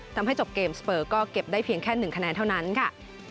ทำให้จบเกมสเปอร์ก็เก็บได้เพียงแค่๑คะแนนเท่านั้นค่ะ